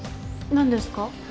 何ですか？